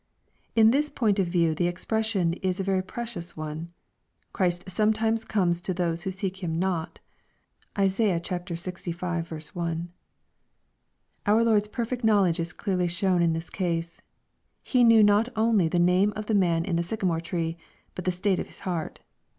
In this point of view the expression is a very precious one. Christ sometimes comes to those who seek J3kn not. (Isai. Ixv. 1.) Our Lord's perfect knowledge is clearly shown in this case. He knew not only the name of the man in the sycamore tree, but the state of his heart.